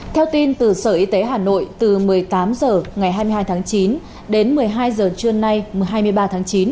theo tin từ sở y tế hà nội từ một mươi tám h ngày hai mươi hai tháng chín đến một mươi hai h trưa nay hai mươi ba tháng chín